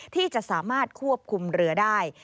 ที่จะสามารถควบคุมเรือได้